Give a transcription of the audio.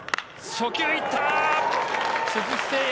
初球、行った。